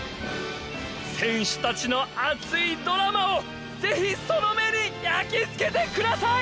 選手たちの熱いドラマをぜひその目に焼き付けてください！